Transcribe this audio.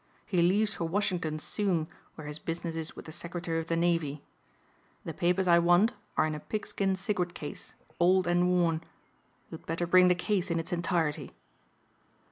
He leaves for Washington soon where his business is with the Secretary of the Navy. The papers I want are in a pigskin cigarette case, old and worn. You'd better bring the case in its entirety."